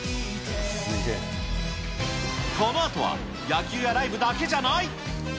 このあとは、野球やライブだけじゃない。